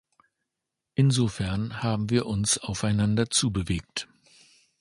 Insofern haben wir uns aufeinander zubewegt.